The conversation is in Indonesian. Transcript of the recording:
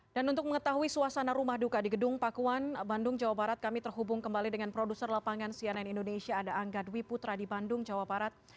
dan untuk mengetahui suasana rumah duka di gedung pakuan bandung jawa barat kami terhubung kembali dengan produser lapangan cnn indonesia ada angga dwi putra di bandung jawa barat